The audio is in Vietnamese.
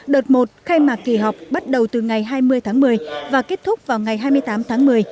đợt một khai mạc kỳ họp bắt đầu từ ngày hai mươi tháng một mươi và kết thúc vào ngày hai mươi tám tháng một mươi